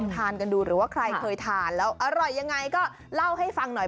ทานกันดูหรือว่าใครเคยทานแล้วอร่อยยังไงก็เล่าให้ฟังหน่อย